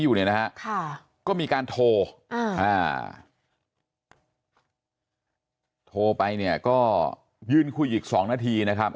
อยู่นะฮะก็มีการโทรโทรไปเนี่ยก็ยืนคุยอีก๒นาทีนะ